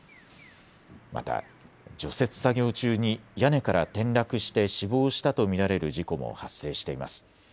また除雪作業中に屋根から転落して死亡したと見られる事故も発生しています。